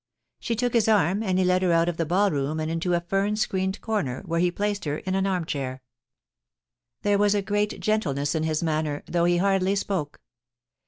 She took his arm, and he led her out of the ball room and into a fern screened comer, where he placed her in an arm chair. There was a great gentleness in his manner, though he hardly spoke.